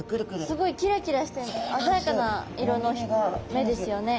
すごいキラキラしてあざやかな色の目ですよね。